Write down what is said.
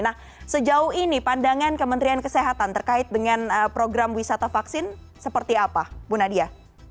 nah sejauh ini pandangan kementerian kesehatan terkait dengan program wisata vaksin seperti apa bu nadia